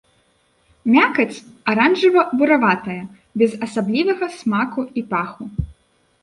Мякаць аранжава-бураватая, без асаблівага смаку і паху.